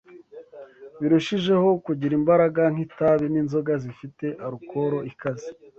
birushijeho kugira imbaraga, nk’itabi n’inzoga zifite alukoro ikaze